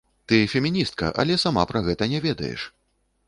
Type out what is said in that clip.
Ты феміністка, але сама пра гэта не ведаеш!